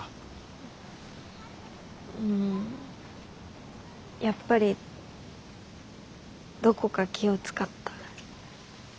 うんやっぱりどこか気を遣った。